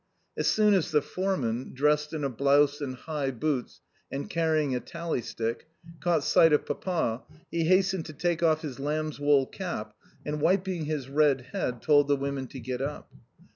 As soon as the foreman (dressed in a blouse and high boots, and carrying a tally stick) caught sight of Papa, he hastened to take off his lamb's wool cap and, wiping his red head, told the women to get up.